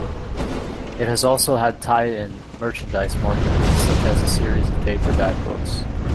It has also had tie-in merchandise marketed, such as a series of paperback books.